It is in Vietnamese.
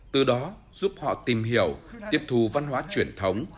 từ đó giúp họ tìm hiểu tiếp thù văn hóa truyền thống